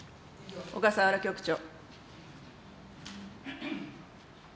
小笠原局長。